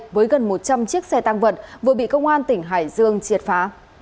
với gần một trăm linh chiếc xe tăng vật vừa bị công an tỉnh hải dương triệt phá